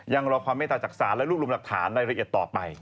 ยังรอความเมตตาจากศาลและรูปรวมหลักฐานรายละเอียดต่อไป